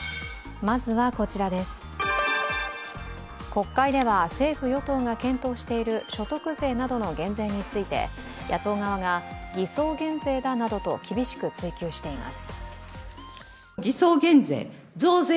国会では政府・与党が検討している所得税などの減税について、野党側が偽装減税だなどと厳しく追及しています。